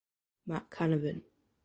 Matt Canavan.